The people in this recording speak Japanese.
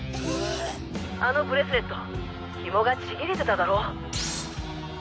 あのブレスレットひもがちぎれてただろ？